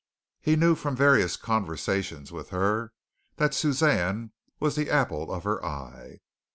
He knew from various conversations with her that Suzanne was the apple of her eye.